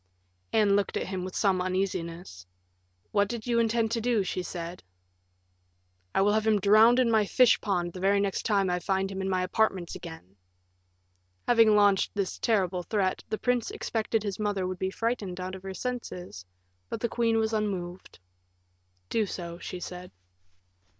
Anne looked at him with some uneasiness. "What do you intend to do?" she said. "I will have him drowned in my fish pond the very next time I find him in my apartments again." Having launched this terrible threat, the prince expected his mother would be frightened out of her senses; but the queen was unmoved. "Do so," she said.